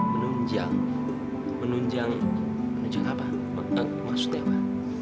menunjang menunjang apa maksudnya apa